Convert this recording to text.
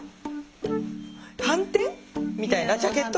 はんてんみたいなジャケット？